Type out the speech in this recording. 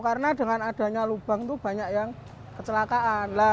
karena dengan adanya lubang itu banyak yang kecelakaan